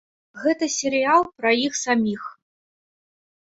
Гэта серыял пра іх саміх.